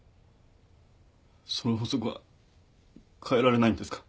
その法則は変えられないんですか？